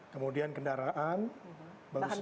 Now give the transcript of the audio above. kemudian kendaraan bahan senjata